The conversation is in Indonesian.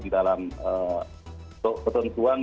di dalam ketentuan